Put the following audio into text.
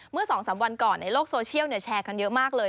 เมื่อ๒๓วันก่อนในโลกโซเชียลแชร์กันเยอะมากเลย